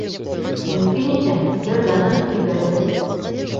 Мөмкин икән, бер данаһын ебәрегеҙ.